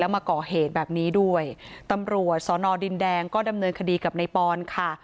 มาก่อเหตุแบบนี้ด้วยตำรวจสอนอดินแดงก็ดำเนินคดีกับในปอนค่ะ